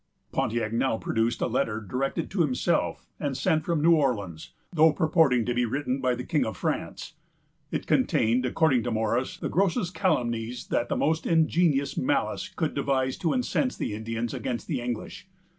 Pontiac now produced a letter directed to himself, and sent from New Orleans, though purporting to be written by the King of France. It contained, according to Morris, the grossest calumnies that the most ingenious malice could devise to incense the Indians against the English.